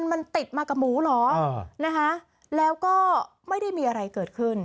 มันติดมากับหมูเหรอนะคะแล้วก็ไม่ได้มีอะไรเกิดขึ้น